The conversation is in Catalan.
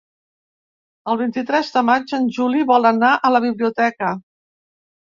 El vint-i-tres de maig en Juli vol anar a la biblioteca.